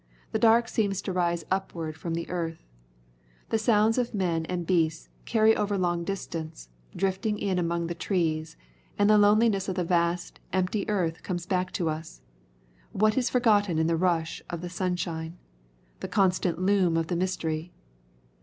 The dark seems to rise upward from the earth. The sounds of men and beasts carry over long distance, drifting in among the trees, and the loneliness of the vast, empty earth comes back to us, what is forgotten in the rush of the sunshine, the constant loom of the mystery.